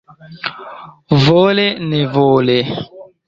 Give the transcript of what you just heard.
Vole nevole.